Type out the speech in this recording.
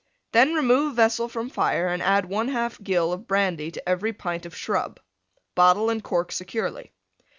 Then remove vessel from fire and add 1/2 gill of Brandy to every pint of Shrub. Bottle and cork securely.